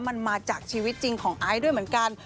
มันมาจากชีวิตจริงของไอซ์ด้วยเหมือนกัน